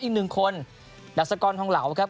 อีกหนึ่งคนดัชกรทองเหลาครับ